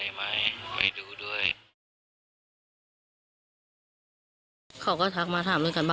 แต่ก็เหมือนกับว่าจะไปดูของเพื่อนแล้วก็ค่อยทำส่งครูลักษณะประมาณนี้นะคะ